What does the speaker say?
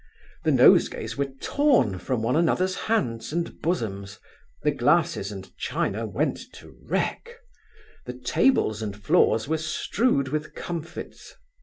The nosegays were torn from one another's hands and bosoms; the glasses and china went to wreck; the tables and floors were strewed with comfits.